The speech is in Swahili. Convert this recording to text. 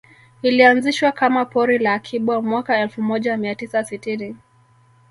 Ilianzishwa kama pori la akiba mwaka elfu moja mia tisa sitini